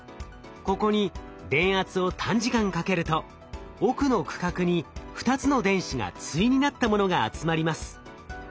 ここに電圧を短時間かけると奥の区画に２つの電子が対になったものが集まります。